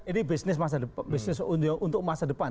ini bisnis untuk masa depan